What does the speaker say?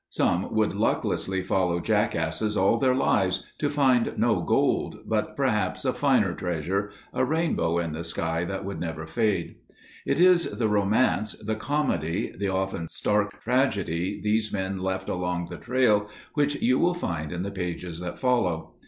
Some would lucklessly follow jackasses all their lives, to find no gold but perhaps a finer treasure—a rainbow in the sky that would never fade. It is the romance, the comedy, the often stark tragedy these men left along the trail which you will find in the pages that follow.